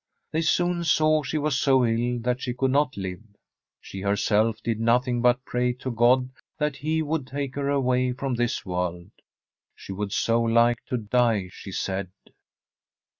They soon saw she was so ill that she could not live. She herself did nothing but pray to God that He would take her away from this world. She would so like to die, she said.